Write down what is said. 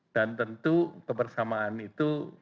dan tentu kebersamaan itu